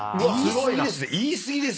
言い過ぎですね。